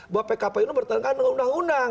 bahwa pkpu itu bertentangan dengan undang undang